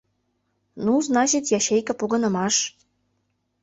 Ну, значит, ячейка погынымаш.